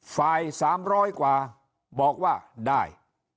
๓๐๐กว่าบอกว่าได้